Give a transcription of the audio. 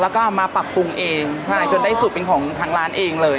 แล้วก็เอามาปรับปรุงเองใช่จนได้สูตรเป็นของทางร้านเองเลย